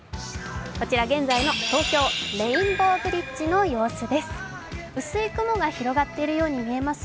こちら現在の東京・レインボーブリッジの様子です。